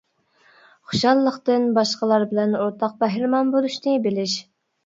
خۇشاللىقتىن باشقىلار بىلەن ئورتاق بەھرىمەن بولۇشنى بىلىش.